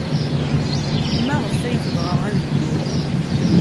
Maɣef ay tebɣa ad dduɣ?